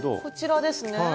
こちらですね。